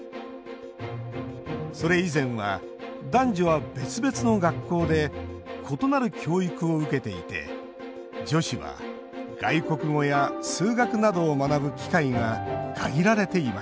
それ以前は、男女は別々の学校で異なる教育を受けていて女子は外国語や数学などを学ぶ機会が限られていました。